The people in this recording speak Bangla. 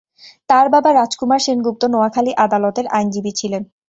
তার বাবা রাজকুমার সেনগুপ্ত নোয়াখালী আদালতের আইনজীবী ছিলেন।